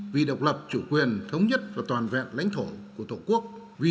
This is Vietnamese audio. vì độc lập chủ quyền thống nhất và toàn vẹn lãnh thổ của tổ quốc